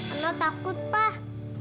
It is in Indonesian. ana takut pak